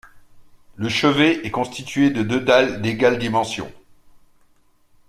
Le chevet est constitué de deux dalles d'égales dimensions.